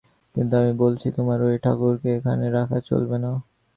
কিন্তু আমি বলছি, তোমার ঐ ঠাকুরকে এখানে রাখা চলবে না।